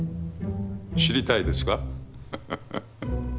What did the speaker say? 知りたいですか？